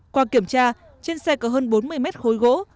qua kiểm tra trên xe có hơn bốn mươi mét khối gỗ